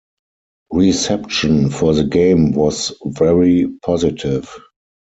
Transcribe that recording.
Reception for the game was very positive.